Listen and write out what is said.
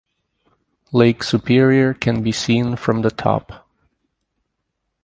Lake Superior can be seen from the top.